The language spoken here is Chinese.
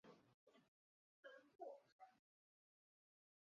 显然泡泡糖已被阴魔王附身。